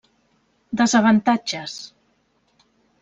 Desavantatges: